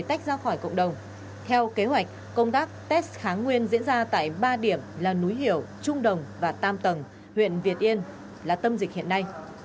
theo kế hoạch công tác test kháng nguyên diễn ra tại ba điểm là núi hiểu trung đồng và tam tầng huyện việt yên là tâm dịch hiện nay